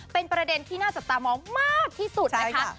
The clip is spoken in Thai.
เป็นประเด็นที่น่าจับตามองมากที่สุดนะคะ